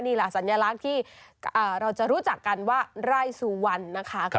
นี่แหละสัญลักษณ์ที่เราจะรู้จักกันว่าไร่สุวรรณนะคะ